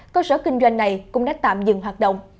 cơ sở kinh doanh này cũng đã tạm dừng hoạt động